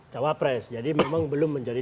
cawapres jadi memang belum menjadi